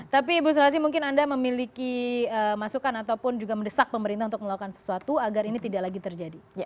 tapi ibu sulasi mungkin anda memiliki masukan ataupun juga mendesak pemerintah untuk melakukan sesuatu agar ini tidak lagi terjadi